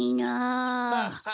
・ハハハ！